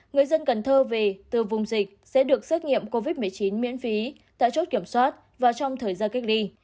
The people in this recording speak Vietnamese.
người dân cần thơ về từ vùng dịch sẽ được xét nghiệm covid một mươi chín miễn phí tại chốt kiểm soát và trong thời gian cách ly